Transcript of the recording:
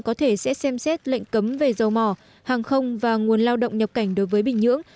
có thể sẽ xem xét lệnh cấm về dầu mỏ hàng không và nguồn lao động nhập cảnh đối với bình nhưỡng